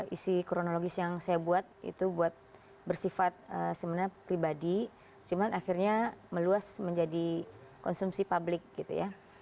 isi kronologis yang saya buat itu buat bersifat sebenarnya pribadi cuman akhirnya meluas menjadi konsumsi publik gitu ya